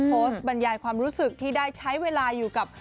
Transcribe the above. บรรยายความรู้สึกที่ได้ใช้เวลาอยู่กับ